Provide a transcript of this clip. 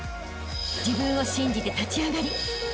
［自分を信じて立ち上がりあしたへ